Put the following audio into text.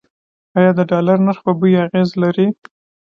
آیا د ډالر نرخ په بیو اغیز لري؟